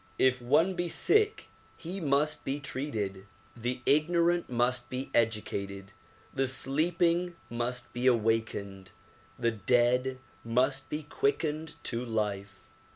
If one be sick he must be treated, the ignorant must be educated, the sleeping must be awakened, the dead must be quickened with life.